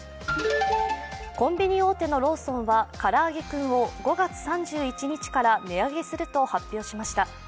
コンビニ大手のローロンはからあげクンを５月３１日から値上げすると発表しました。